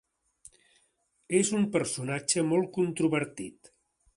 És un personatge molt controvertit.